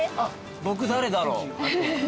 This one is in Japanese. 僕誰だろう？